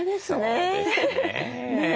そうですね。